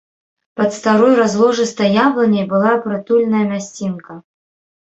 Пад старой разложыстай яблыняй была прытульная мясцінка.